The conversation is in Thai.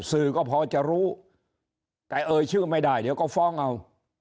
สื่อก็พอจะรู้แต่เอ่ยชื่อไม่ได้เดี๋ยวก็ฟ้องเอา